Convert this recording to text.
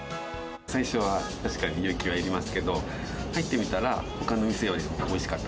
最初は確かに勇気がいりますけれども、入ってみたら、ほかの店よりもおいしかった。